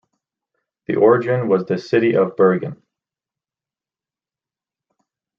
The origin was the city of Bergen.